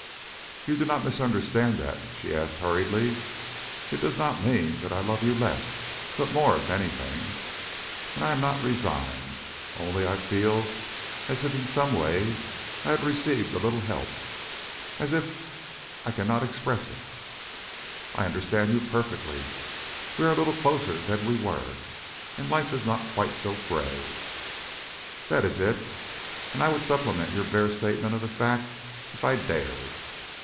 "You do not misunderstand that?" she asked hurriedly. "It does not mean that I love you less, but more, if anything. And I am not resigned! Only, I feel as if in some way I had received a little help, as if I cannot express it." "I understand you perfectly. We are a little closer than we were, and life is not quite so grey." "That is it. And I would supplement your bare statement of the fact, if I dared."